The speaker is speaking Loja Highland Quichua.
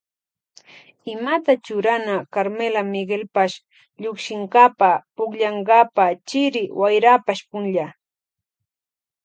Imata churana Carmela Miguelpash llukshinkapa pukllankapa chiri wayrapash punlla.